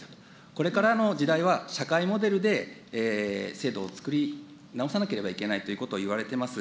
これからの時代は社会モデルで制度を作り直さなければいけないということをいわれてます。